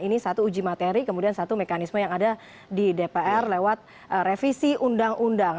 ini satu uji materi kemudian satu mekanisme yang ada di dpr lewat revisi undang undang